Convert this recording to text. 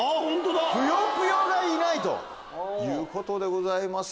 『ぷよぷよ』がいないということでございます。